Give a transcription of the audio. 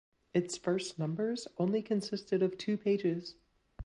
Its first numbers only consisted of two pages.